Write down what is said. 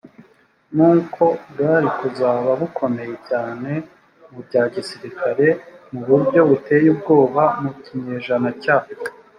n uko bwari kuzaba bukomeye cyane mu bya gisirikari mu buryo buteye ubwoba mu kinyejana cya